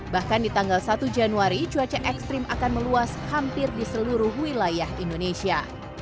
bahkan di tanggal satu januari cuaca ekstrim akan meluas hampir di seluruh wilayah indonesia